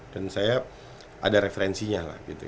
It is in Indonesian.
dan saya ada referensinya lah gitu